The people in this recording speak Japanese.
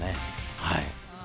はい。